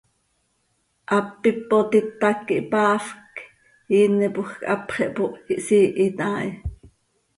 Hap ipot itac quih hpaafc, iinepoj quih hapx ihpooh, ihsiihit haa hi.